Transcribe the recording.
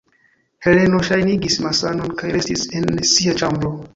Heleno ŝajnigis malsanon kaj restis en sia ĉambro.